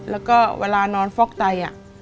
แล้วก็เวลานอนฟอกไต